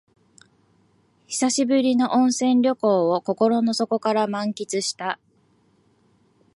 久しぶりの温泉旅行を心の底から満喫した